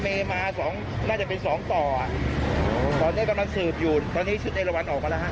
มีมาสองน่าจะเป็นสองต่ออ่ะตอนนี้กำลังสืบอยู่ตอนนี้ชุดเอราวันออกมาแล้วฮะ